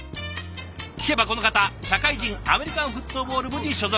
聞けばこの方社会人アメリカンフットボール部に所属。